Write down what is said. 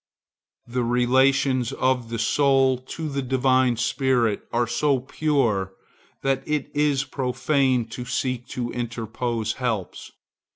The relations of the soul to the divine spirit are so pure that it is profane to seek to interpose helps.